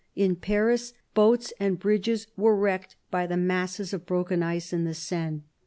In Paris, boats and bridges were wrecked by the masses of broken ice in the Seine.